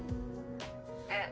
えっ？